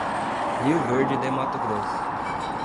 Rio Verde de Mato Grosso